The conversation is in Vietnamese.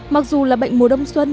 mặc dù là bệnh mùa đông xuân